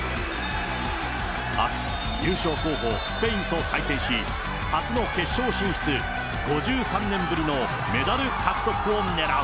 あす優勝候補、スペインと対戦し、初の決勝進出、５３年ぶりのメダル獲得を狙う。